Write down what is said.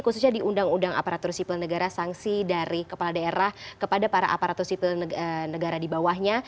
khususnya di undang undang aparatur sipil negara sanksi dari kepala daerah kepada para aparatur sipil negara di bawahnya